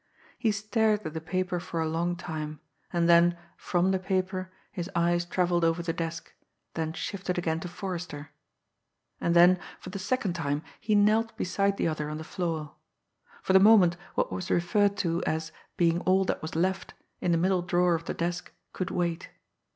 He stared at the paper for a long time, and then, from the paper, his eyes travelled over the desk, then shifted again to Forrester and then, for the second time, he knelt beside the other on the floor. For the moment, what was referred to as "being all that was left" in the middle drawer of the desk could wait.